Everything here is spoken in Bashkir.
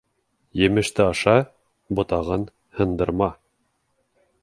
Емеште аша, ботағын һындырма.